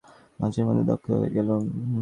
মাঝের থেকে দগ্ধ হয়ে গেলুম।